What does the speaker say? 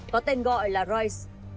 có tên gọi là rise